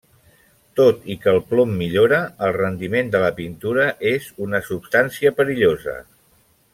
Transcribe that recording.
Tot i que el plom millora el rendiment de la pintura, és una substància perillosa.